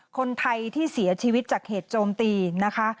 คนไทยที่เสียชีวิตจากเหตุโจมตีนะคะ